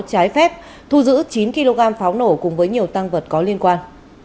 trái phép thu giữ chín kg pháo nổ cùng với nhiều tăng vật có liên quan